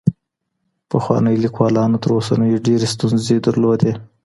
پخوانيو ليکوالانو تر اوسنيو ډېري ستونزې لرلې.